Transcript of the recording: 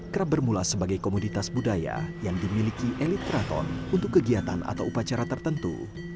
kerap bermula sebagai komoditas budaya yang dimiliki elit keraton untuk kegiatan atau upacara tertentu